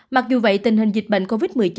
mặc dù vậy tình hình dịch bệnh covid một mươi chín